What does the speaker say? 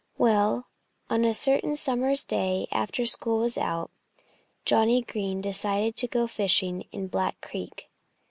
Well, on a certain summer's day, after school was out, Johnnie Green decided to go fishing in Black Creek.